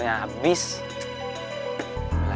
bapak lepasin ibu pak